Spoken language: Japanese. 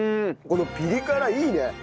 このピリ辛いいね。